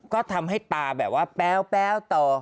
ก็ทำให้ตาแบบว่าแป๊วต่อ